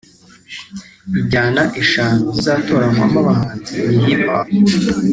Injyana eshanu zizatoranywamo abahanzi ni Hip Hop